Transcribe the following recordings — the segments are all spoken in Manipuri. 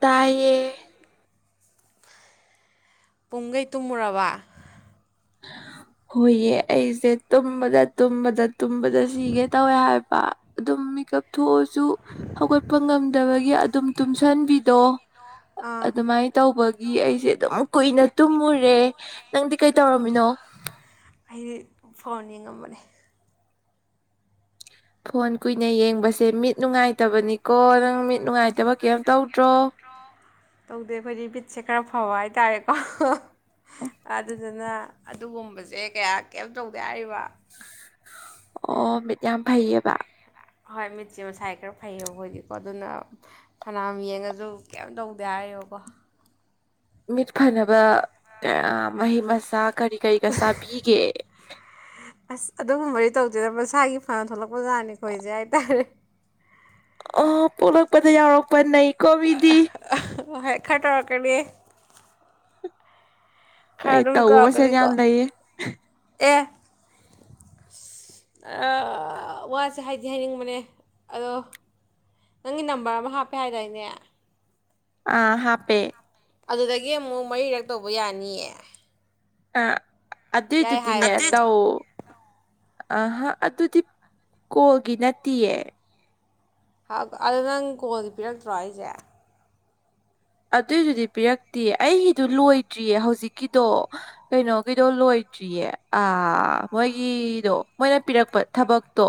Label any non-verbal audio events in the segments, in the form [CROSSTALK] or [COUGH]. ꯇꯥꯏꯌꯦ ꯄꯨꯡꯈꯩ ꯇꯨꯝꯃꯨꯔꯕ ꯍꯣꯏꯌꯦ ꯑꯩꯁꯦ ꯇꯨꯝꯕꯗ ꯇꯨꯝꯕꯗ ꯇꯨꯝꯕꯗ ꯁꯤꯒꯦ ꯇꯧꯋꯦ ꯍꯥꯏꯕ ꯑꯗꯨꯝ ꯃꯤꯀꯞ ꯊꯣꯛꯑꯁꯨ ꯍꯧꯒꯠꯄ ꯉꯝꯗꯕꯒꯤ ꯑꯗꯨꯝ ꯇꯨꯝꯁꯟꯕꯤꯗꯣ ꯑꯥ ꯑꯗꯨꯃꯥꯏꯅ ꯇꯧꯕꯒꯤ ꯑꯩꯁꯦ ꯑꯗꯨꯝ ꯀꯨꯏꯅ ꯇꯨꯝꯃꯨꯔꯦ ꯅꯪꯗꯤ ꯀꯩ ꯇꯧꯔꯝꯃꯤꯅꯣ ꯑꯩꯗꯤ ꯐꯣꯟ ꯌꯦꯉꯝꯕꯅꯦ ꯐꯣꯟ ꯀꯨꯏꯅ ꯌꯦꯡꯕꯁꯦ ꯃꯤꯠ ꯅꯨꯡꯉꯥꯏꯇꯕꯅꯤꯀꯣ ꯅꯪ ꯃꯤꯠ ꯅꯨꯡꯉꯥꯏꯇꯕ ꯀꯩꯝ ꯇꯧꯗ꯭ꯔꯣ ꯇꯧꯗꯦ ꯑꯩꯈꯣꯏꯗꯤ ꯃꯤꯠꯁꯦ ꯈꯔ ꯐꯕ ꯍꯥꯏꯇꯥꯔꯦꯀꯣ ꯑꯗꯨꯗꯨꯅ ꯑꯗꯨꯒꯨꯝꯕꯁꯦ ꯀꯌꯥ ꯀꯩꯝ ꯇꯧꯗꯦ ꯍꯥꯏꯔꯤꯕ ꯑꯣ ꯃꯤꯠ ꯌꯥꯝ ꯐꯩꯌꯦꯕ ꯍꯣꯏ ꯃꯤꯠꯁꯦ ꯃꯁꯥꯏ ꯈꯔ ꯐꯩꯌꯦꯕ ꯑꯩꯈꯣꯏꯗꯤꯀꯣ ꯑꯗꯨꯅ ꯐꯅꯌꯥꯝ ꯌꯦꯡꯉꯁꯨ ꯀꯩꯝ ꯇꯧꯗꯦ ꯍꯥꯏꯔꯤꯕꯀꯣ ꯃꯤꯠ ꯐꯅꯕ ꯃꯍꯤ ꯃꯁꯥꯛ ꯀꯔꯤ ꯀꯔꯤꯒ ꯆꯥꯕꯤꯒꯦ ꯑꯁ ꯑꯗꯨꯒꯨꯝꯕꯗꯤ ꯇꯧꯗꯦꯗ ꯃꯁꯥꯒꯤ ꯐꯅ ꯊꯣꯛꯂꯛꯄꯖꯥꯠꯅꯤ ꯈꯣꯏꯁꯦ ꯍꯥꯏꯇꯥꯔꯦ ꯑ ꯄꯣꯛꯂꯛꯄꯗ ꯌꯥꯎꯔꯛꯄ ꯅꯦ ꯀꯣꯃꯤꯗꯤ ꯑꯣ ꯍꯦꯛ ꯈꯔ ꯇꯧꯔꯛꯀꯅꯤꯌꯦ ꯏ ꯇꯧꯕꯁꯦ ꯇꯧꯔꯛꯀꯅꯤꯀꯣ ꯌꯥꯝ ꯂꯩꯌꯦ ꯑꯁ ꯋꯥꯁꯦ ꯍꯥꯏꯗꯤ ꯍꯥꯏꯅꯤꯡꯕꯅꯦ ꯑꯗꯣ ꯅꯪꯒꯤ ꯅꯝꯕꯔ ꯑꯃ ꯍꯥꯞꯄꯦ ꯍꯥꯏꯗꯅꯦ ꯑ ꯍꯥꯄꯦ ꯑꯗꯨꯗꯒꯤ ꯑꯃꯨꯛ ꯃꯔꯤꯔꯛ ꯇꯧꯕ ꯌꯥꯅꯤꯌꯦ ꯑ ꯌꯥꯏ ꯑꯗꯨꯏꯗꯨꯗꯤꯅꯦ ꯍꯥꯏꯕꯅꯦ ꯇꯧ ꯑꯍꯥ ꯑꯗꯨꯗꯤ ꯀꯣꯒꯤ ꯅꯠꯇꯤꯌꯦ ꯑꯗꯨ ꯅꯪ ꯀꯣꯟꯜꯗꯤ ꯄꯤꯔꯛꯇ꯭ꯔꯣ ꯑꯩꯁꯦ ꯑꯗꯨꯏꯗꯨꯗꯤ ꯄꯤꯔꯛꯇꯦ ꯑꯩꯒꯤꯗꯨ ꯂꯣꯏꯗ꯭ꯔꯤꯌꯦ ꯍꯧꯖꯤꯛꯀꯤꯗꯣ ꯀꯩꯅꯣꯒꯤꯗꯣ ꯂꯣꯏꯗ꯭ꯔꯤꯌꯦ ꯑ ꯃꯣꯏꯒꯤꯗꯣ ꯃꯣꯏꯅ ꯄꯤꯔꯛꯄ ꯊꯕꯛꯇꯣ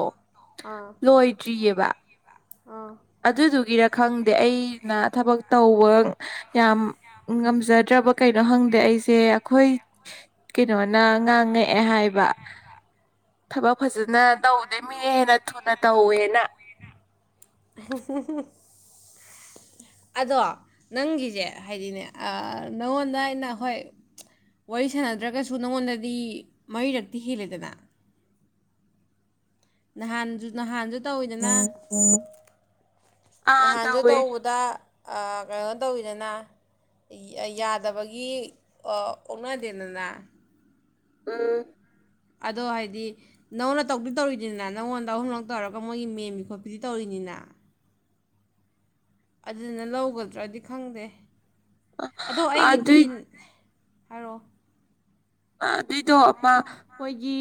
ꯑꯥ ꯂꯣꯏꯇ꯭ꯔꯤꯌꯦ ꯋꯥ ꯑꯥ ꯈꯪꯗꯦ ꯑꯩꯅ ꯊꯕꯛ ꯇꯧꯕ ꯌꯥꯝ ꯉꯝꯖꯗ꯭ꯔꯕ ꯀꯩꯅꯣ ꯈꯪꯗꯦ ꯑꯩꯁꯦ ꯑꯩꯈꯣꯏ ꯀꯩꯅꯣꯅ ꯉꯥꯡꯉꯛꯑꯦ ꯍꯥꯏꯕ ꯊꯕꯛ ꯐꯖꯅ ꯇꯧꯗꯦ ꯃꯤ ꯍꯦꯟꯅ ꯊꯨꯅ ꯇꯧꯋꯦꯅ [INAUDIBLE] ꯑꯗꯣ ꯅꯪꯒꯤꯁꯦ ꯍꯥꯏꯗꯤꯅꯦ ꯅꯪꯉꯣꯟꯗ ꯑꯩꯅ ꯍꯣꯏ ꯋꯥꯔꯤ ꯁꯥꯟꯅꯗ꯭ꯔꯒꯁꯨ ꯅꯪꯉꯣꯟꯗꯗꯤ ꯃꯔꯤꯔꯛꯇꯤ ꯍꯦꯜꯂꯦꯗꯅ ꯅꯍꯥꯟ ꯅꯍꯥꯟꯁꯨ ꯇꯧꯋꯤꯗꯅ ꯑꯥ ꯅꯍꯥꯟꯁꯨ ꯇꯧꯋꯦ ꯇꯧꯕꯗ ꯀꯩꯅꯣ ꯇꯧꯋꯤꯗꯅ ꯌꯥꯗꯕꯒꯤ ꯑꯣꯛꯅꯗꯦꯗꯅ ꯎꯝ ꯑꯗꯣ ꯍꯥꯏꯗꯤ ꯅꯪꯅ ꯇꯧꯗꯤ ꯇꯧꯔꯤꯅꯤꯅ ꯅꯪꯉꯣꯟꯗ ꯑꯍꯨꯝꯂꯛ ꯇꯧꯔꯒ ꯃꯣꯏꯒꯤ ꯃꯦꯝꯕꯤ ꯈꯣꯠꯄꯤꯗꯤ ꯇꯧꯔꯤꯅꯤꯅ ꯑꯗꯨꯗꯨꯅ ꯂꯧꯒꯗ꯭ꯔꯗꯤ ꯈꯪꯗꯦ ꯑꯗꯣ ꯑꯩꯒꯤꯗꯤ ꯑꯗꯨꯏ ꯍꯥꯏꯔꯣ ꯑꯗꯨꯏꯗꯣ ꯑꯃ ꯑꯩꯈꯣꯏꯒꯤ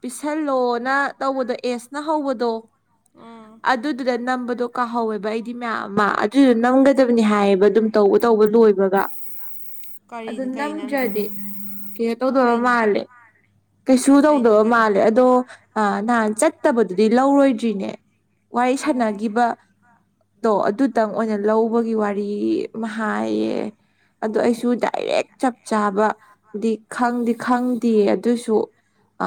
ꯄꯤꯁꯜꯂꯣꯅ ꯇꯧꯕꯗꯣ ꯑꯦꯁꯅ ꯍꯧꯕꯗꯣ ꯑꯥ ꯑꯗꯨꯗꯨꯗ ꯅꯝꯕꯗꯣ ꯀꯥꯍꯧꯋꯦꯕ ꯑꯩꯗꯤ ꯃꯌꯥꯝ ꯑꯃ ꯑꯗꯨꯏꯗ ꯅꯝꯒꯗꯕꯅꯤ ꯍꯥꯏꯌꯦꯕ ꯑꯗꯨꯝ ꯇꯧꯕ ꯇꯧꯕ ꯂꯣꯏꯕꯒ ꯀꯔꯤ ꯑꯗꯨ ꯀꯔꯤ ꯅꯝꯗ꯭ꯔꯗꯤ ꯅꯝꯗꯦꯕ ꯀꯩ ꯇꯧꯗꯕ ꯀꯩꯅꯣ ꯃꯥꯜꯂꯦ ꯀꯩꯁꯨ ꯀꯩꯅꯣ ꯇꯧꯗꯕ ꯀꯩ ꯃꯥꯜꯂꯦ ꯑꯗꯣ ꯑ ꯅꯍꯥꯟ ꯆꯠꯇꯕꯗꯨꯗꯤ ꯂꯧꯔꯣꯏꯗ꯭ꯔꯤꯅꯦ ꯋꯥꯔꯤ ꯑꯣ ꯁꯥꯟꯅꯈꯤꯕ ꯗꯣ ꯑꯗ ꯈꯤꯇꯪ ꯑꯣꯏꯅ ꯂꯧꯕꯒꯤ ꯋꯥꯔꯤ ꯒꯤ ꯃꯍꯥꯌꯦ ꯑꯗ ꯑꯣ ꯑꯩꯁꯨ ꯗꯥꯏꯔꯦꯛ ꯆ ꯆꯥꯕꯗꯤ ꯈꯪꯗꯤ ꯈꯪꯗꯦ ꯇꯨꯁꯨ ꯑ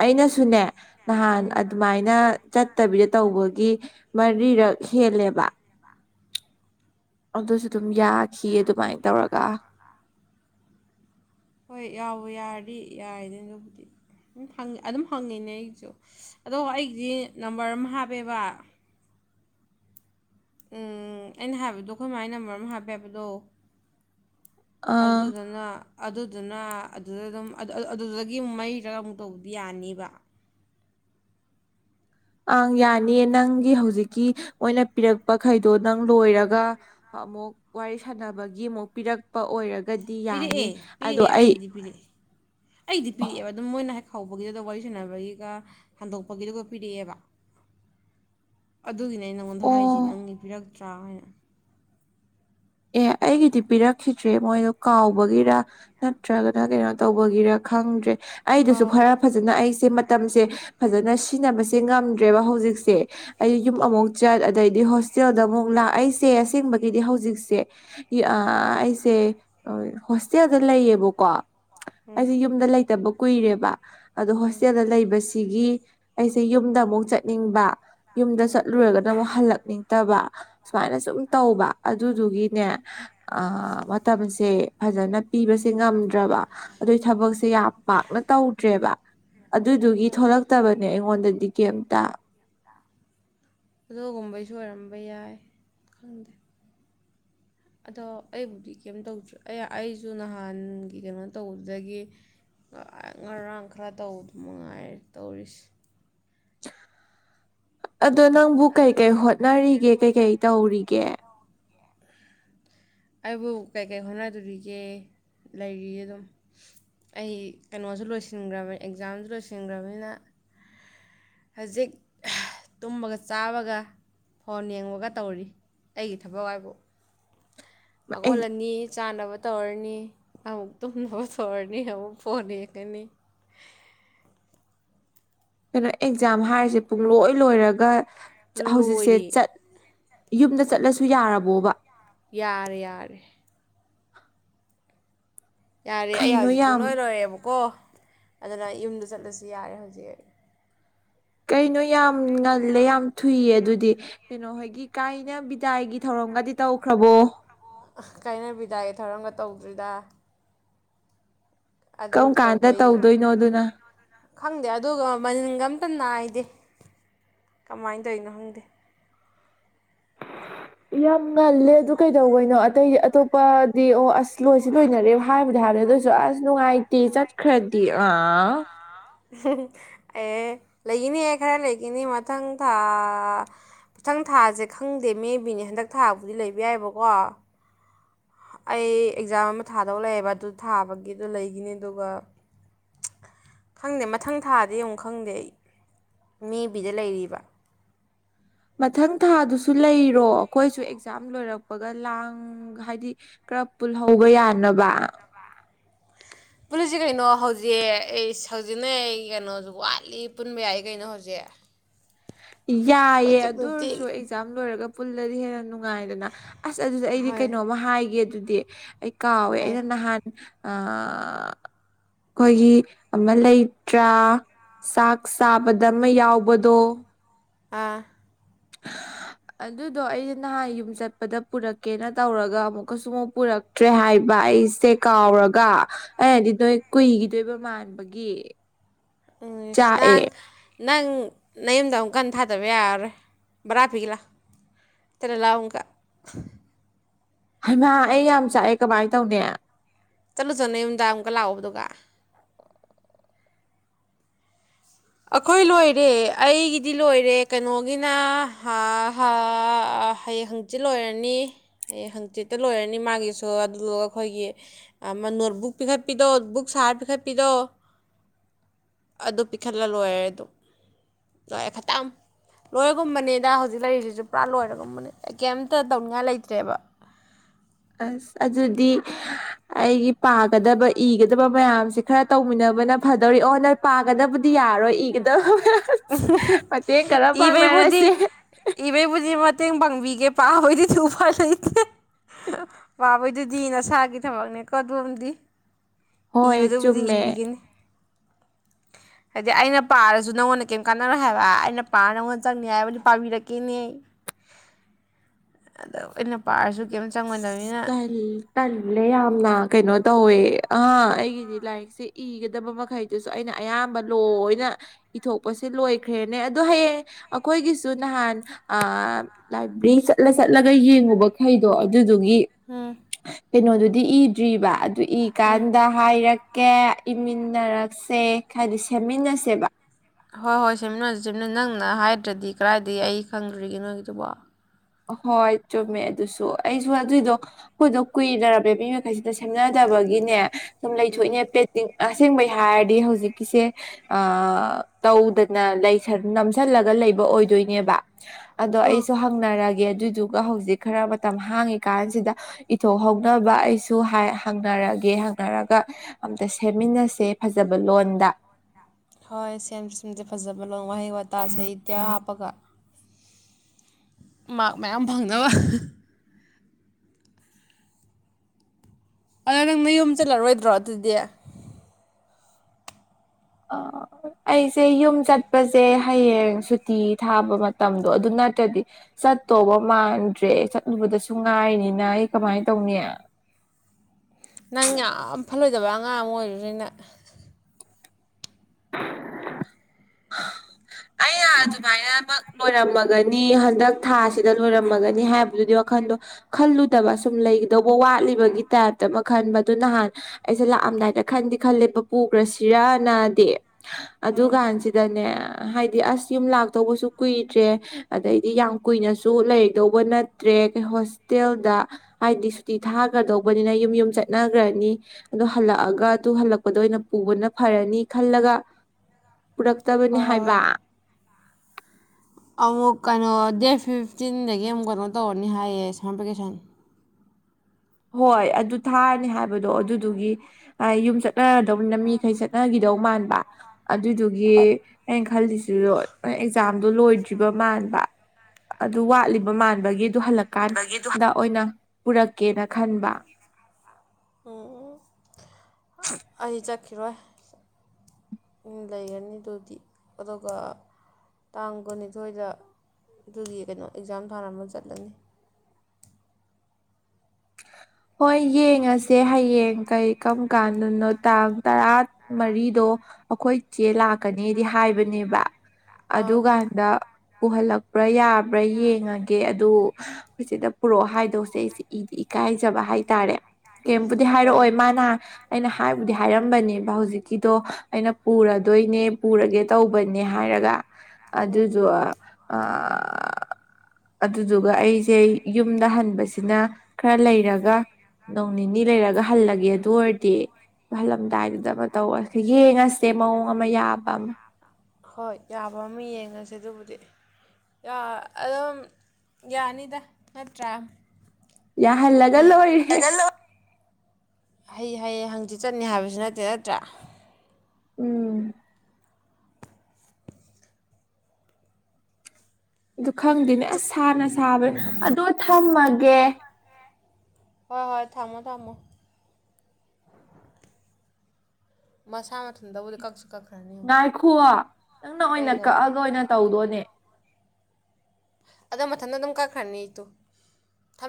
ꯑꯩꯅꯁꯨꯅꯦ ꯅꯍꯥꯟ ꯎꯝ ꯑꯗꯨꯃꯥꯏꯅ ꯆꯠ ꯐꯠꯇꯕꯤꯗ ꯇꯧꯕꯒꯤ ꯃꯔꯤꯔꯛ ꯍꯦꯜꯂꯦꯕ ꯑꯗꯨꯁꯨ ꯑꯗꯨꯝ ꯌꯥꯈꯤꯌꯦ ꯑꯗꯨꯃꯥꯏꯅ ꯇꯧꯔꯒ ꯍꯣꯏ ꯌꯥꯎꯕ ꯌꯥꯔꯗꯤ ꯌꯥꯔꯅꯦ ꯑꯗꯨꯕꯨꯗꯤ ꯑꯗꯨꯝ ꯍꯪꯉꯤꯅꯦ ꯑꯩꯒꯤꯁꯨ ꯑꯗꯣ ꯑꯩꯒꯤꯗꯤ ꯅꯝꯕꯔ ꯑꯃ ꯍꯥꯞꯄꯦꯕ ꯎꯝ ꯑꯩꯅ ꯍꯥꯏꯕꯗꯣ ꯑꯩꯈꯣꯌ ꯏꯃꯒꯤ ꯅꯝꯕꯔ ꯑꯃ ꯍꯥꯞꯄꯦ ꯍꯥꯏꯕꯗꯣ ꯑꯥ ꯑꯗꯨꯗꯨꯅ ꯑꯗꯨꯗꯨꯅ ꯑꯗꯨꯗ ꯑꯗꯨꯝ ꯑꯗꯨꯗꯨꯗꯒꯤ ꯑꯃꯛ ꯃꯔꯤꯔꯛ ꯑꯃꯨꯛ ꯇꯧꯕꯗꯤ ꯌꯥꯅꯤꯕ ꯑꯪ ꯌꯥꯅꯤ ꯅꯪꯒꯤ ꯍꯧꯖꯤꯛꯀꯤ ꯑꯣꯏꯅ ꯄꯤꯔꯛꯄꯈꯩꯗꯣ ꯅꯪ ꯂꯣꯏꯔꯒ ꯑꯃꯨꯛ ꯋꯥꯔꯤ ꯁꯥꯟꯅꯕꯒꯤ ꯑꯃꯨꯛ ꯄꯤꯔꯛꯄ ꯑꯣꯏꯔ ꯒꯗꯤ ꯌꯥꯅꯤ ꯄꯤꯔꯛꯑꯦ ꯑꯗꯣ ꯑꯩ ꯑꯩꯗꯤ ꯄꯤꯔꯛꯑꯦꯕ ꯑꯗꯨꯝ ꯃꯣꯏꯅ ꯍ ꯍꯧꯕꯒꯤꯗꯨꯒ ꯋꯥꯔꯤ ꯁꯥꯟꯅꯕꯒꯤꯒ ꯍꯟꯗꯣꯛꯄꯒꯤꯗꯨꯒ ꯄꯤꯔꯛꯑꯦꯕ ꯑꯗꯨꯒꯤꯅꯦ ꯑꯩ ꯅꯪꯉꯣꯟꯗ ꯍꯥꯏꯁꯤ ꯑꯣ ꯅꯪꯒꯤ ꯄꯤꯔꯛ [UNINTELLIGIBLE] ꯑꯦ ꯑꯩꯒꯤꯗꯤ ꯄꯤꯔꯛꯈꯤꯗ꯭ꯔꯦ ꯃꯣꯏꯗ ꯀꯥꯎꯕꯒꯤꯔ ꯅꯠꯇ꯭ꯔꯒꯅ ꯀꯩꯅꯣ ꯇꯧꯕꯒꯤꯔ ꯈꯪꯗ꯭ꯔꯦ ꯑꯩꯗꯁꯨ ꯀꯥꯎ ꯈꯔ ꯎꯝ ꯐꯖꯅ ꯑꯩꯁꯦ ꯃꯇꯝꯁꯦ ꯐꯖꯅ ꯁꯤꯖꯤꯟꯅꯕꯁꯦ ꯉꯝꯗ꯭ꯔꯦꯕ ꯍꯧꯖꯤꯛꯁꯦ ꯑꯩ ꯌꯨꯝ ꯑꯃꯨꯛ ꯆꯠ ꯑꯗꯩꯗꯤ ꯍꯣꯁꯇꯦꯜꯗ ꯑꯃꯨꯛ ꯂꯥꯛ ꯑꯁꯦꯡꯕꯒꯤꯗꯤ ꯍꯧꯖꯤꯛ ꯑꯩꯁꯦ ꯍꯣꯁꯇꯦꯜꯗ ꯂꯩꯌꯦꯕꯀꯣ ꯎꯝ ꯑꯩꯁꯦ ꯌꯨꯝꯗ ꯂꯩꯇꯕ ꯀꯨꯏꯔꯦꯕ ꯑꯗꯣ ꯎꯝ ꯍꯣꯁꯇꯦꯜꯗ ꯂꯩꯕꯁꯤ ꯁꯤꯒꯤ ꯑꯩꯁꯦ ꯌꯨꯝꯗ ꯑꯃꯨꯛ ꯆꯠꯅꯤꯡꯕ ꯌꯨꯝꯗ ꯎꯝ ꯆꯠꯂꯨꯔꯒꯅ ꯑꯃꯨꯛ ꯍꯜꯂꯛꯅꯤꯡ ꯐꯠꯇꯕ ꯁꯨꯃꯥꯏꯅ ꯁꯨꯝ ꯇꯧꯕ ꯑꯗꯨꯗꯨꯒꯤ ꯅꯦ ꯑꯥ ꯃꯇꯝꯁꯦ ꯐꯖꯅ ꯄꯤꯕꯁꯦ ꯉꯝꯗ꯭ꯔꯕ ꯑꯗꯨꯏ ꯊꯕꯛꯁꯦ ꯁꯦ ꯌꯥꯝ ꯄꯥꯛꯅ ꯇꯧꯗ꯭ꯔꯦꯕ ꯑꯗꯨꯗꯨꯒꯤ ꯍꯣꯏ ꯊꯣꯛꯂꯛꯇꯕꯅꯦ ꯑꯩꯉꯣꯟꯗ ꯗꯤꯀꯦꯝꯇ ꯑꯗꯨꯒꯨꯝꯕꯩꯁꯨ ꯑꯣꯏꯔꯝꯕ ꯌꯥꯏ ꯈꯪꯗꯦ ꯑꯗꯣ ꯑꯩꯕꯨꯗꯤ ꯀꯩꯝ ꯇꯧꯗ꯭ꯔꯤ ꯑꯩ ꯑꯩꯁꯨ ꯅꯍꯥꯟꯒꯤ ꯀꯩꯅꯣ ꯇꯧꯕꯗꯒꯤ ꯉ ꯉꯔꯥꯡ ꯈꯔ ꯇꯧꯕꯗꯨ ꯃꯉꯥꯏꯔꯦ ꯇꯧꯔꯤꯁꯦ ꯑꯗꯣ ꯅꯪꯕꯨ ꯀꯩꯀꯩ ꯍꯣꯠꯅꯔꯤꯒꯦ ꯀꯩꯀꯩ ꯇꯧꯔꯤꯒꯦ ꯑꯩꯕꯨ ꯀꯩꯀꯩ ꯍꯣꯠꯅꯗꯣꯔꯤꯒꯦ ꯂꯩꯔꯤ ꯑꯗꯨꯝ ꯑꯩ ꯀꯩꯅꯣꯁꯨ ꯂꯣꯏꯁꯤꯟꯈ꯭ꯔꯕꯅꯤ ꯑꯦꯛꯖꯥꯝꯁꯨ ꯂꯣꯏꯁꯤꯟꯈ꯭ꯔꯕꯅꯤꯅ ꯍꯧꯖꯤꯛ ꯇꯨꯝꯕꯒ ꯆꯥꯕꯒ ꯐꯣꯟ ꯌꯦꯡꯕꯒ ꯇꯧꯔꯤ ꯑꯩꯒꯤ ꯊꯕꯛ ꯍꯥꯏꯕꯨ ꯍꯧꯒꯜꯂꯅꯤ ꯆꯥꯅꯕ ꯇꯧꯔꯅꯤ ꯑꯃꯨꯛ ꯇꯨꯝꯅꯕ ꯇꯧꯔꯅꯤ ꯑꯃꯨꯛ ꯐꯣꯟ ꯌꯦꯡꯒꯅꯤ ꯀꯩꯅꯣ ꯑꯦꯛꯖꯥꯝ ꯍꯥꯏꯔꯤꯁꯦ ꯄꯨꯡꯂꯣꯏ ꯂꯣꯏꯔꯒ ꯍꯧꯖꯤꯛꯁꯦ ꯂꯣꯏꯔꯦ ꯆꯠ ꯌꯨꯝꯗ ꯆꯠꯂꯁꯨ ꯌꯥꯔꯕꯣꯕ ꯌꯥꯔꯦ ꯌꯥꯔꯦ ꯌꯥꯔꯦ ꯑꯩ ꯀꯩꯅꯣ ꯍꯧꯖꯤꯛ ꯄꯨꯡ ꯌꯥꯝ ꯂꯣꯏꯔꯣꯏꯦꯕꯀꯣ ꯑꯗꯨꯅ ꯌꯨꯝꯗ ꯆꯠꯂꯁꯨ ꯌꯥꯔꯦ ꯍꯧꯖꯤꯛ ꯀꯩꯅꯣ ꯌꯥꯝ ꯉꯜꯂꯦ ꯌꯥꯝ ꯊꯨꯏꯌꯦ ꯑꯗꯨꯗꯤ ꯀꯩꯅꯣ ꯍꯥꯏꯒꯤ ꯀꯥꯏꯅ ꯕꯤꯗꯥꯏꯒꯤ ꯊꯧꯔꯝꯒꯗꯤ ꯇꯧꯈ꯭ꯔꯕꯣ ꯀꯥꯏꯅꯕꯤꯗꯥꯏ ꯑꯦ ꯊꯧꯔꯝꯒ ꯇꯧꯗ꯭ꯔꯤꯗ ꯑꯗꯨ ꯀꯔꯝ ꯀꯥꯟꯗ ꯇꯧꯕꯩ ꯇꯧꯗꯣꯏꯅꯣ ꯑꯗꯨꯅ ꯈꯪꯗꯦ ꯑꯗꯨꯒ ꯃꯅꯤꯟꯒ ꯑꯝꯇ ꯅꯥꯏꯗꯦ ꯀꯃꯥꯏꯅ ꯇꯧꯔꯤꯅꯣ ꯈꯪꯗꯦ ꯌꯥꯝ ꯉꯜꯂꯦ ꯑꯗꯨ ꯀꯩꯗꯧꯕꯩꯅꯣ ꯑꯇꯩꯗꯤ ꯑꯇꯣꯞꯄꯗꯤ ꯑꯣ ꯑꯁ ꯂꯣꯏꯁꯤ ꯂꯣꯏꯅꯔꯦ ꯍꯥꯏꯕꯗꯤ ꯍꯥꯏꯕꯦ ꯑꯗꯨꯑꯣꯁꯨ ꯑꯁ ꯅꯨꯡꯉꯥꯏꯇꯦ ꯆꯠꯈ꯭ꯔꯗꯤ ꯑꯥ ꯑꯦ ꯂꯩꯒꯅꯦꯍ ꯈꯔ ꯂꯩꯒꯅꯤ ꯃꯊꯪ ꯊꯥ ꯃꯊꯪ ꯊꯥꯁꯦ ꯈꯪꯗꯦ ꯃꯦꯕꯤꯅꯦ ꯍꯟꯗꯛ ꯊꯥꯕꯨꯗꯤ ꯂꯩꯕ ꯌꯥꯏꯕꯀꯣ ꯑꯩ ꯑꯦꯛꯖꯥꯝ ꯑꯃ ꯊꯥꯗꯧ ꯂꯩꯌꯦꯦꯕ ꯑꯗꯨ ꯊꯥꯕꯒꯤꯗ ꯂꯩꯈꯤꯅꯤ ꯑꯗꯨꯒ ꯈꯪꯗꯦ ꯃꯊꯪ ꯊꯥꯗꯤ ꯑꯃꯨꯛ ꯈꯪꯗꯦ ꯑꯩ ꯃꯦ ꯕꯤꯗ ꯂꯩꯔꯤꯕ ꯃꯊꯪ ꯊꯥꯗꯨꯁꯨ ꯂꯩꯔꯣ ꯑꯩꯈꯣꯏꯁꯨ ꯑꯦꯛꯖꯥꯝ ꯂꯣꯏꯔꯛꯄꯒ ꯂꯥꯡ ꯍꯥꯏꯗꯤ ꯈꯔ ꯄꯨꯜꯍꯧꯕ ꯌꯥꯅꯕ ꯄꯨꯂꯁꯤ ꯀꯩꯅꯣ ꯍꯧꯖꯤꯛ ꯑꯩ ꯍꯧꯖꯤꯛꯟꯅꯩ ꯑꯩ ꯀꯩꯅꯣꯁꯨ ꯋꯥꯠꯂꯤ ꯄꯨꯟꯕ ꯌꯥꯏ ꯀꯩꯅꯣ ꯍꯧꯖꯤꯛ ꯌꯥꯏꯌꯦ ꯍꯧꯖꯤꯛ ꯑꯗꯨ ꯑꯣꯏꯔꯁꯨ ꯅꯨꯡꯇꯤꯒꯤ ꯑꯦꯛꯖꯥꯝ ꯂꯣꯏꯔꯒ ꯐꯨꯂꯗꯤ ꯍ ꯌꯥꯝ ꯅꯨꯡꯉꯥꯏꯗꯅ ꯑꯁ ꯑꯗꯨꯗ ꯑꯩꯗꯤ ꯍꯣꯏ ꯀꯩꯅꯣꯝꯃ ꯍꯥꯏꯒꯦ ꯑꯗꯨꯗꯤ ꯑꯩ ꯀꯥꯎꯋꯦ ꯍꯥꯏꯌꯣ ꯑꯩꯅ ꯅꯍꯥꯟ ꯑꯩꯈꯣꯏꯒꯤ ꯑꯃ ꯂꯩꯇ꯭ꯔꯥ ꯆꯥꯛ ꯆꯥꯕꯗ ꯑꯃ ꯌꯥꯎꯕꯗꯣ ꯑ ꯑꯗꯨꯗꯣ ꯑꯩꯁꯦ ꯅꯍꯥꯟ ꯌꯨꯝ ꯆꯠꯄꯗ ꯄꯨꯔꯛꯀꯦꯅ ꯇꯧꯔꯒ ꯑꯃꯨꯛꯀꯁꯨ ꯑꯃꯨꯛ ꯄꯨꯔꯛꯇ꯭ꯔꯦ ꯍꯥꯏꯕ ꯑꯩꯁꯦ ꯀꯥꯎꯔꯒ ꯑꯩꯅꯗꯤ ꯅꯣꯏ ꯀꯨꯏꯈꯤꯗꯣꯏꯕ ꯃꯥꯟꯕꯒꯤ ꯆꯥꯛꯑꯦ ꯏꯁꯅꯪ ꯅꯪ ꯅꯌꯨꯝꯗ ꯑꯃꯨꯛꯀꯟꯅ ꯊꯥꯗꯕ ꯌꯥꯔꯦ ꯕꯔꯥ ꯄꯤꯒ ꯂꯥꯛ ꯇꯂ ꯂꯥꯛꯑꯣ ꯑꯃꯨꯛꯀ ꯍꯥꯏꯩꯃ ꯑꯩ ꯌꯥꯝ ꯆꯥꯛꯑꯦ ꯀꯃꯥꯏ ꯇꯧꯅꯤ ꯆꯠꯂꯨ ꯆꯠꯂꯨ ꯌꯨꯝꯗꯥ ꯑꯃꯨꯛꯀ ꯂꯥꯛꯑꯣꯕ ꯑꯗꯨꯒ ꯑꯩꯈꯣꯏ ꯂꯣꯏꯔꯦ ꯑꯩꯒꯤꯗꯤ ꯂꯣꯏꯔꯦ ꯀꯩꯅꯣꯒꯤꯅ ꯍꯌꯦꯡ ꯍꯪꯆꯤꯠ ꯂꯣꯏꯔꯅꯤ ꯍꯌꯦꯡ ꯍꯪꯆꯤꯠꯇ ꯂꯣꯏꯔꯅꯤ ꯃꯥꯒꯤꯁꯨ ꯑꯗꯨꯗꯨꯒ ꯑꯩꯈꯣꯏꯒꯤ ꯑꯃ ꯅꯣꯠ ꯕꯨꯛ ꯄꯤꯈꯠꯄꯤꯗꯣ ꯕꯨꯛ ꯁꯥꯔ ꯄꯤꯈꯠꯄꯤꯗꯣ ꯑꯗꯨ ꯏꯟꯈꯠꯂ ꯂꯣꯏꯔꯦ ꯑꯗꯨꯝ ꯂꯣꯏꯔꯦ ꯈꯤꯛꯇꯪ ꯂꯣꯏꯔꯒꯨꯝꯕꯅꯦꯗ ꯍꯧꯖꯤꯛ ꯂꯩꯔꯤꯁꯤꯁꯨ ꯄꯨꯔꯥ ꯂꯣꯏꯔꯒꯨꯝꯕꯅꯦ ꯑꯩ ꯀꯩꯝꯇ ꯇꯧꯅꯤꯡꯉꯥꯏ ꯂꯩꯇ꯭ꯔꯦꯕ ꯑꯁ ꯑꯗꯨꯗꯤ ꯑꯩꯒꯤ ꯄꯥꯒꯗꯕ ꯏꯒꯗꯕ ꯃꯌꯥꯝꯁꯦ ꯈꯔ ꯇꯧꯃꯤꯟꯅꯕꯅ ꯐꯗꯧꯔꯤ ꯑꯣ ꯅ ꯄꯥꯒꯗꯕꯨꯗꯤ ꯌꯥꯔꯣꯏ ꯏꯒꯗꯕ ꯃꯌꯥꯝꯁꯦ ꯎ ꯃꯇꯦꯡ ꯈꯔ ꯏ ꯩꯚꯨꯗꯤ ꯄꯥꯡꯅꯔꯁꯦ ꯏ ꯩꯚꯨꯗꯤ ꯃ ꯃꯇꯦꯡ ꯄꯥꯡꯕꯤꯒꯦ ꯄꯥꯕꯩꯗꯨꯗꯤ ꯎꯄ ꯂꯩꯇꯦ ꯄꯥꯕꯩꯗꯨꯗꯤ ꯅꯁꯥꯒꯤ ꯊꯕꯛꯅꯦꯀꯣ ꯑꯗꯨꯝꯗꯤ ꯍꯣꯏ ꯏꯕꯗꯨꯕꯨꯗꯤ ꯆꯨꯝꯃꯦ ꯏꯕꯤꯒꯅꯤ ꯍꯥꯏꯗꯤ ꯑꯩꯅ ꯄꯥꯔꯁꯨ ꯅꯉꯣꯟꯗ ꯀꯩꯝ ꯀꯥꯟꯅꯅꯕꯅ ꯍꯥꯏꯕ ꯑꯩꯅ ꯄꯥꯅꯕ ꯆꯪꯅꯤ ꯍꯥꯏꯕꯗꯤ ꯄꯥꯕꯤꯔꯛꯀꯦꯅꯦ ꯑꯗꯣ ꯑꯩꯅ ꯄꯥꯔꯁꯨ ꯀꯩꯝꯇ ꯆꯪꯉꯣꯏꯗꯕꯅꯤꯅ ꯇꯜꯂꯦ ꯌꯥꯝꯅ ꯀꯩꯅꯣ ꯇꯧꯋꯦ ꯑ ꯑꯩꯒꯤꯗꯤ ꯂꯥꯏꯔꯤꯛꯁꯦ ꯏꯒꯗꯕ ꯃꯈꯩꯗꯨꯁꯨ ꯑꯩꯅ ꯑꯌꯥꯝꯕ ꯂꯣꯏꯅ ꯏꯊꯣꯛꯄꯁꯦ ꯂꯣꯏꯈ꯭ꯔꯦꯅꯦ ꯑꯗꯣ ꯍꯌꯦꯡ ꯑꯩꯈꯣꯏꯒꯤꯁꯨ ꯅꯍꯥꯟ ꯂꯥꯏꯕ꯭ꯔꯦꯔꯤ ꯆꯠꯂ ꯆꯠꯂꯒ ꯌꯦꯡꯉꯨꯕ ꯃꯈꯩꯗꯣ ꯑꯗꯨꯗꯨꯒꯤ ꯎꯝ ꯀꯩꯅꯣꯗꯨꯗꯤ ꯏꯗ꯭ꯔꯤꯕ ꯑꯗꯨ ꯎꯝ ꯏꯀꯥꯟꯗ ꯍꯥꯏꯔꯛ ꯀꯦ ꯏꯃꯤꯟꯅꯔꯛꯁꯦ ꯍꯥꯏꯗꯤ ꯁꯦꯝꯃꯤꯟꯅꯁꯦꯕ ꯍꯣꯏ ꯍꯣꯏ ꯁꯦꯝꯃꯤꯅꯣ ꯁꯦꯝꯃꯤꯅ ꯅꯪꯅ ꯍꯥꯏꯗ꯭ꯔꯗꯤ ꯀꯗꯥꯏꯗꯒꯤ ꯑꯩ ꯈꯪꯗ꯭ꯔꯤꯒꯦ ꯅꯣꯏꯒꯤꯗꯨꯕꯣ ꯍꯣꯏ ꯆꯨꯝꯃꯦ ꯑꯗꯨꯁꯨ ꯑꯩꯁꯨ ꯑꯗꯨꯏꯗꯣ ꯑꯩꯈꯣꯏꯗꯣ ꯀꯨꯏꯗꯝꯃꯦ ꯃꯤ ꯀꯩꯁꯤꯗ ꯁꯦꯝꯅꯗꯕꯒꯤꯅꯦ ꯁꯨꯝ ꯎꯝ ꯂꯩꯊꯣꯛꯏꯅꯦ ꯄꯦꯇꯤꯡ ꯑꯁꯦꯡꯕꯩ ꯍꯥꯏꯔꯗꯤ ꯍꯧꯖꯤꯛꯀꯤꯁꯦ ꯑꯥ ꯇꯧꯗꯅ ꯂꯩꯗꯅ ꯅꯝꯁꯤꯜꯂꯒ ꯂꯩꯕ ꯑꯣꯏꯗꯣꯏꯅꯦꯕ ꯑꯗꯣ ꯍꯣꯏ ꯑꯩꯁꯨ ꯍꯪꯅꯔ ꯑꯗꯨꯗꯨꯒ ꯍꯧꯖꯤꯛ ꯈꯔ ꯃꯇꯝ ꯍꯥꯡꯉꯤ ꯀꯥꯟꯁꯤꯗ ꯏꯊꯣꯛꯍꯧꯅꯕ ꯑꯩꯁꯨ ꯍꯥꯏ ꯍꯪꯅꯔꯒꯦ ꯍꯪꯅꯔꯒ ꯑꯝꯇ ꯁꯦꯝꯃꯤꯟꯅꯁꯦ ꯐꯖꯕ ꯂꯣꯟꯗ ꯍꯣꯏ ꯁꯦꯝꯁꯦ ꯐꯖꯕ ꯋꯥꯍꯩ ꯋꯥ ꯇ ꯁꯍꯤꯇꯤꯌꯥ ꯍꯥꯞꯄꯒ ꯃꯥꯛ ꯃꯌꯥꯝ ꯐꯪꯅꯕ ꯑꯗꯣ ꯅꯪ ꯅꯌꯨꯝ ꯆꯠꯂꯔꯣꯏꯗ꯭ꯔꯣ ꯑꯗꯨꯗꯤ ꯑ ꯑꯩꯁꯦ ꯌꯨꯝ ꯆꯠꯄꯁꯦ ꯍꯌꯦꯡ ꯁꯨꯇꯤ ꯊꯥꯕ ꯃꯇꯝꯗꯣ ꯑꯗꯨ ꯅꯠꯇ꯭ꯔꯗꯤ ꯆꯠꯇꯧꯕ ꯃꯥꯟꯗ꯭ꯔꯦ ꯆꯠꯂꯨꯕꯗꯁꯨ ꯉꯥꯏꯅꯤꯅ ꯑꯩ ꯀꯃꯥꯏꯅ ꯇꯧꯅꯤ ꯅꯪ ꯌꯥꯝ ꯐꯠꯂꯣꯏꯗꯕ ꯑꯉꯥꯡ ꯑꯃ ꯑꯣꯏꯔꯅꯤ ꯅꯪ [UNINTELLIGIBLE] ꯑꯩꯅ ꯑꯗꯨꯃꯥꯏꯅꯃꯛ ꯂꯣꯏꯔꯝꯃꯒꯅꯤ ꯍꯟꯗꯛ ꯊꯥꯁꯤꯗ ꯂꯣꯏꯔꯝꯃꯒꯅꯤ ꯍꯥꯏꯕꯗꯨꯗꯤ ꯋꯥꯈꯟꯗꯣ ꯈꯜꯂꯨꯗꯕ ꯁꯨꯝ ꯂꯩꯒꯗꯧꯕ ꯋꯥꯠꯂꯤꯕꯒꯤ ꯇꯥꯏꯞꯇ ꯑꯃ ꯈꯟꯕ ꯑꯗꯨ ꯅꯍꯥꯟ ꯑꯩꯁꯦ ꯂꯥꯛꯑꯝꯗꯥꯏꯗ ꯈꯟꯗꯤ ꯈꯟ ꯂꯦꯞꯄ ꯄꯨꯈ꯭ꯔꯁꯤꯔꯅꯗꯤ ꯑꯗꯨ ꯎꯝ ꯀꯥꯟꯁꯤꯗꯅꯦ ꯍꯥꯏꯗꯤ ꯑꯁ ꯌꯨꯝ ꯂꯥꯛꯇꯧꯕꯁꯨ ꯀꯨꯏꯗ꯭ꯔꯦ ꯑꯗꯩꯗꯤ ꯌꯥꯝ ꯀꯨꯏꯅꯁꯨ ꯂꯩꯔꯤꯛꯗꯧꯕ ꯅꯠꯇ꯭ꯔꯦ ꯍꯣꯁꯇꯦꯜꯗ ꯍꯥꯏꯕꯗꯤ ꯁꯨꯇꯤ ꯊꯥꯈ꯭ꯔꯗꯧꯕꯅꯤꯅ ꯌꯨꯝ ꯌꯨꯝ ꯆꯠꯅꯈ꯭ꯔꯅꯤ ꯑꯗꯨ ꯍꯜꯂꯛꯑꯒ ꯑꯗꯨ ꯍꯜꯂꯛꯄꯗ ꯑꯣꯏꯅ ꯄꯨꯕꯅ ꯐꯔꯅꯤ ꯈꯜꯂꯒ ꯄꯨꯔꯛꯇꯕꯅꯤ ꯍꯣꯏ ꯍꯣꯏ ꯍꯥꯏꯕ ꯍꯣꯏ ꯑꯃꯨꯛ ꯀꯩꯅꯣ ꯗꯦꯠ ꯐꯤꯐꯇꯤꯟꯗꯒꯤ ꯑꯃꯨꯛ ꯀꯩꯅꯣ ꯇꯧꯔꯅꯤ ꯍꯥꯏꯌꯦ ꯁꯃꯔ ꯚꯦꯀꯦꯁꯟ ꯍꯣꯏ ꯑꯗꯨ ꯊꯥꯔꯅꯤ ꯍꯥꯏꯕꯗꯣ ꯑꯗꯨꯗꯨꯒꯤ ꯌꯨꯝ ꯆꯠꯅꯔꯗꯧꯅꯤꯅ ꯃꯤꯈꯩ ꯆꯠꯅꯈꯤꯗꯧ ꯃꯥꯟꯕ ꯑꯗꯨꯗꯨꯒꯤ ꯑꯩꯅ ꯈꯜꯂꯤꯁꯤ ꯑꯦꯛꯖꯥꯝ ꯂꯣꯏꯗ꯭ꯔꯤꯕ ꯃꯥꯟꯕ ꯑꯗꯨ ꯋꯥꯠꯂꯤꯕ ꯃꯥꯟꯕꯒꯤ ꯇꯨ ꯍꯜꯂꯛꯀꯥꯟꯗ ꯑꯣꯏꯅ ꯄꯨꯔꯛꯀꯦꯅ ꯈꯟꯕ ꯎꯝ ꯑꯩ ꯆꯠ ꯆꯠꯈꯤꯔꯣꯏ ꯂꯩꯔꯅꯤ ꯑꯗꯨꯗꯤ ꯑꯗꯨꯒ ꯇꯥꯡ ꯀꯨꯟꯅꯤꯊꯣꯏꯗ ꯑꯗꯨꯗꯤ ꯀꯩꯅꯣ ꯑꯦꯛꯖꯥꯝ ꯊꯥꯔꯝꯃ ꯆꯠꯂꯅꯤ ꯍꯣꯏ ꯌꯦꯡꯉꯁꯦ ꯍꯌꯦꯡ ꯀꯩ ꯀꯔꯝ ꯀꯥꯟꯗꯅꯣ ꯇꯥꯡ ꯇꯔꯥ ꯃꯔꯤꯗꯣ ꯑꯩ꯭ꯈꯣꯏ ꯆꯦ ꯂꯥꯛꯀꯅꯦꯗꯤ ꯍꯥꯏꯕꯅꯦꯕ ꯑꯥ ꯑꯗꯨꯀꯥꯟꯗ꯫ ꯄꯨꯍꯜꯂꯛꯄ꯭ꯔꯥ ꯌꯥꯕ꯭ꯔꯥ ꯌꯦꯡꯉꯒꯦ ꯑꯗꯨ ꯁꯤꯗ ꯄꯨꯔꯛꯑꯣ ꯍꯥꯏꯗꯧꯁꯦ ꯑꯩꯁꯦ ꯏꯗꯤ ꯏꯀꯥꯏꯁꯦ ꯆꯕ ꯍꯥꯏꯇꯥꯔꯦ ꯀꯩꯝꯕꯨꯗꯤ ꯍꯣꯏ ꯍꯥꯏꯔꯛꯑꯣꯢ ꯃꯥꯅ ꯑꯩꯅ ꯍꯥꯏꯕꯨꯗꯤ ꯍꯥꯏꯔꯝꯕꯅꯦꯕ ꯍꯧꯖꯤꯛꯀꯤꯗꯣ ꯑꯩꯅ ꯄꯨꯔꯗꯣꯏꯅꯦ ꯄꯨꯔꯒꯦ ꯇꯧꯕꯅꯦ ꯍꯥꯏꯔꯒ ꯎꯝ ꯑꯗꯨꯗꯨ ꯑꯥ ꯑꯗꯨꯗꯨꯒ ꯑꯩꯁꯦ ꯌꯨꯝꯗ ꯍꯟꯕꯁꯤꯅ ꯈꯔ ꯂꯩꯔꯒ ꯅꯣꯡ ꯅꯤꯅꯤ ꯂꯩꯔꯒ ꯍꯜꯂꯒꯦ ꯑꯗꯨ ꯑꯣꯏꯔꯗꯤ ꯍꯂ ꯂꯥꯢꯟꯗ ꯑꯃ ꯇꯧꯔ ꯌꯦꯡꯉꯁꯤ ꯃꯑꯣꯡ ꯑꯃ ꯌꯥꯕ ꯍꯣꯏ ꯌꯥꯕ ꯑꯃ ꯌꯦꯡꯉꯁꯦ ꯑꯗꯨꯕꯨꯗꯤ ꯌꯥ ꯑꯗꯨꯝ ꯌꯥꯅꯤꯗ ꯅꯠꯇ꯭ꯔꯥ ꯌꯥꯍꯜꯂꯒ ꯂꯣꯏꯔꯦꯍꯦ ꯍꯌꯦꯡ ꯍꯩ ꯍꯌꯦ ꯍꯥꯡꯆꯤꯠ ꯆꯠꯅꯤ ꯍꯥꯏꯕꯁꯨ ꯅꯠꯇꯦ ꯅꯠꯇ꯭ꯔꯥ ꯎꯝ ꯗꯨ ꯈꯪꯗꯦꯅꯦ ꯑꯁ ꯁꯥꯟꯅ ꯁꯥꯕ ꯑꯗꯣ ꯊꯝꯃꯒꯦ ꯍꯣꯏ ꯍꯣꯏ ꯊꯝꯃꯣ ꯊꯝꯃꯣ ꯃꯁꯥ ꯃꯊ ꯉꯥꯏꯈꯨꯋꯑꯣ ꯅꯪꯅ ꯑꯣꯏꯅ ꯀꯩꯅꯣ ꯀꯛꯑꯒ ꯑꯣꯏꯅ ꯇꯧꯗꯣꯅꯦ ꯑꯗ ꯃꯊꯟꯗ ꯗꯨꯝ ꯀꯛꯈꯔ꯭ ꯅꯤ ꯇꯨ ꯊꯝꯃꯦ